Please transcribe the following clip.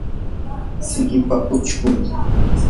sikipa uchkun